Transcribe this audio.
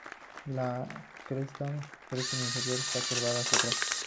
La cresta en la cresta inferior está curvada hacia atrás.